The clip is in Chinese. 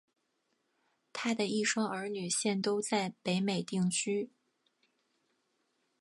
她的一双儿女现都在北美定居。